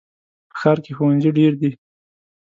په ښار کې ښوونځي ډېر دي.